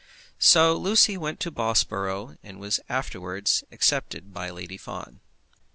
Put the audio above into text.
So Lucy went to Bobsborough, and was afterwards accepted by Lady Fawn.